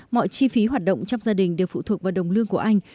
mọi chi phí hoạt động trong gia đình đều phụ thuộc vào đồng lương của anh